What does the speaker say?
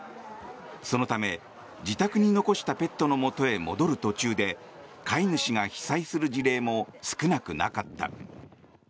そのため、自宅に残したペットのもとへ戻る途中で飼い主が被災する事例も少なくなかった。